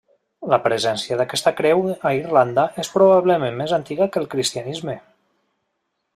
La presència d'aquesta creu a Irlanda és probablement més antiga que el cristianisme.